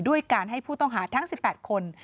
ด้วยการให้ผู้ต้องหาทั้ง๑๘คน